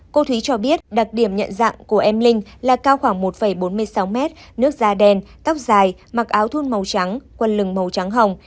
cô thúy cho biết đặc điểm nhận dạng của em linh là cao khoảng một bốn mươi sáu mét nước da đen tóc dài mặc áo thun màu trắng quân lừng màu trắng hồng